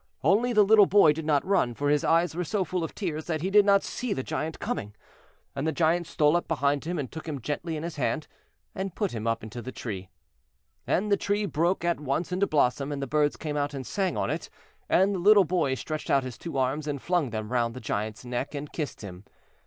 Only the little boy did not run, for his eyes were so full of tears that he did not see the Giant coming. And the Giant stole up behind him and took him gently in his hand, and put him up into the tree. And the tree broke at once into blossom, and the birds came and sang on it, and the little boy stretched out his two arms and flung them round the Giant's neck, and kissed him.